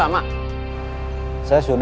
siapa yang diberi hourga